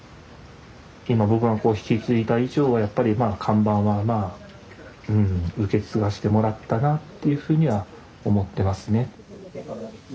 今僕が引き継いだ以上はやっぱりまあ看板は受け継がしてもらったなっていうふうには思ってますね。